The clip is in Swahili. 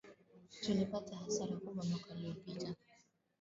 Tulipata hasara kubwa mwaka uliopita